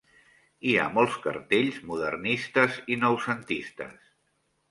Hi ha molts cartells modernistes i noucentistes.